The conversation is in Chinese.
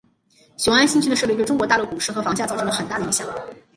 雄安新区的设立对中国大陆股市和房价造成了很大的影响。